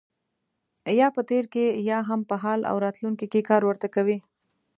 یا په تېر کې یا هم په حال او راتلونکي کې کار ورته کوي.